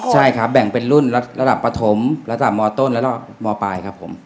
ใช่ครับแบ่งเป็นรุ่นระดับปฐมระดับมต้นแล้วก็มปลายครับผม